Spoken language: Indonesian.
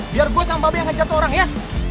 biar gue sama bapak yang hajar tuh orang ya